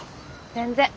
全然。